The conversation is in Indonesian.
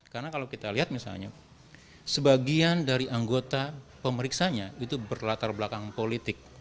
karena kalau kita lihat misalnya sebagian dari anggota pemeriksanya itu berlatar belakang politik